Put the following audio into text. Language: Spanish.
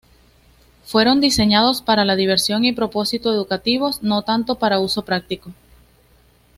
Fueron diseñados para la diversión y propósitos educativos, no tanto para el uso práctico.